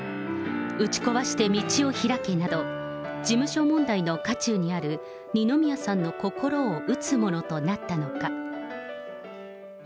打ち壊して道を拓けなど、事務所問題の渦中にある二宮さんの心を打つものとなったのか。